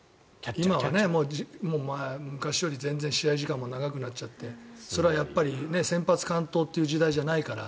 今は昔より全然試合時間も長くなっちゃってそれはやっぱり先発完投という時代じゃないから。